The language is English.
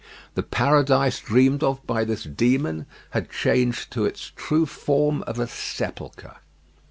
The paradise dreamed of by this demon had changed to its true form of a sepulchre.